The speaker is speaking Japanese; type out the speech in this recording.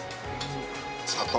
砂糖。